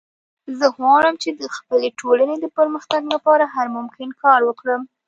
زه غواړم چې د خپلې ټولنې د پرمختګ لپاره هر ممکن کار وکړم